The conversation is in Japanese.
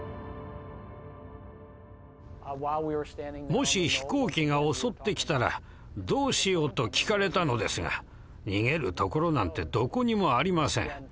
もし飛行機が襲ってきたらどうしようと聞かれたのですが逃げる所なんてどこにもありません。